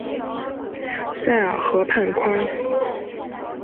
塞尔河畔宽。